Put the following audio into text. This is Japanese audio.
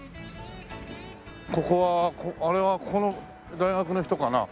ここはあれはここの大学の人かな？